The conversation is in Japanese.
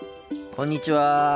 こんにちは。